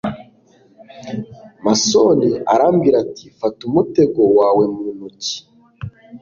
Mason arambwira ati Fata umutego wawe mu ntoki